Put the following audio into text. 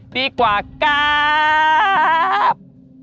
ดีกว่ากับ